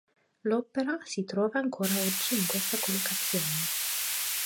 L'opera si trova ancora oggi in questa collocazione.